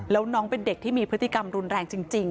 แล้วน้องเป็นเด็กที่มีพฤติกรรมรุนแรงจริง